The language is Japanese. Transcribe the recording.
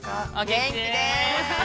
◆元気です。